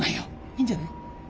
いいんじゃない？